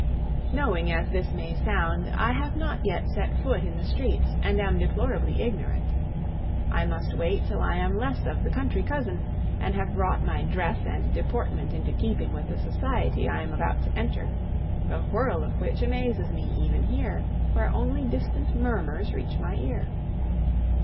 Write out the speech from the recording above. Knowing as this may sound, I have not yet set foot in the streets, and am deplorably ignorant. I must wait till I am less of the country cousin and have brought my dress and deportment into keeping with the society I am about to enter, the whirl of which amazes me even here, where only distant murmurs reach my ear.